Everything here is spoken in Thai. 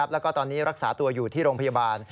แล้วก็ตอนนี้รักษาตัวอยู่ที่โรงพยาบาล